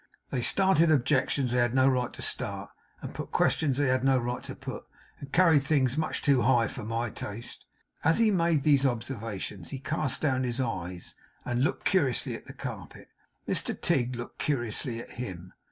They started objections they had no right to start, and put questions they had no right to put, and carried things much too high for my taste.' As he made these observations he cast down his eyes, and looked curiously at the carpet. Mr Tigg looked curiously at him.